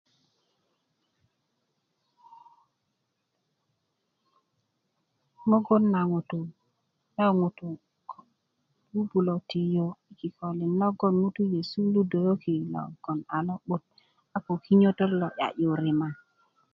mugun na ŋutu' na ŋutu' bubulö tiyu i kikolin logon ŋutu nyesu ludwöki logon a lo'but a ko kinyotott lo 'ya'yu rima